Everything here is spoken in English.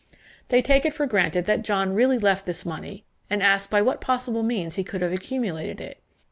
They take it for granted that John really left this money, and ask by what possible means he could have accumulated it.